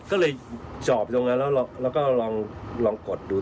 ก็เลยจอบตรงนั้นแล้วก็ลองกดดู